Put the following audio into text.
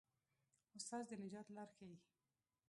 استاد د نجات لار ښيي.